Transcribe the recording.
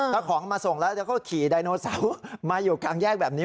แล้วของมาส่งแล้วเขาขี่ดายโนเสาร์มาอยู่ข้างแยกแบบนี้